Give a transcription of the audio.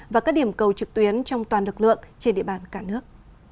và các điểm cầu trực tuyến trong toàn lực lượng trên địa bàn cả nước